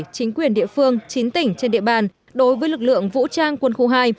chính quyền địa phương chín tỉnh trên địa bàn đối với lực lượng vũ trang quân khu hai